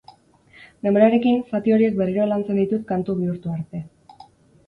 Denborarekin, zati horiek berriro lantzen ditut kantu bihurtu arte.